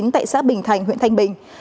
tại xã bình thành huyện thanh bình